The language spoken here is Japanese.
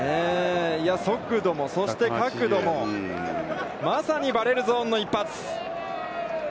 速度もそして角度も、まさにバレルゾーンの一発。